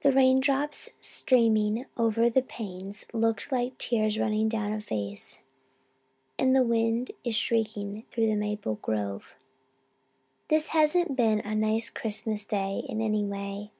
The raindrops streaming over the panes look like tears running down a face, and the wind is shrieking through the maple grove. "This hasn't been a nice Christmas Day in any way.